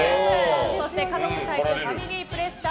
そして家族対抗ファミリープレッシャー。